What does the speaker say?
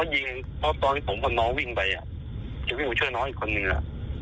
ตอนนี้ผมกับน้องวิ่งไปอยู่ชื่อน้องอีกคนนึง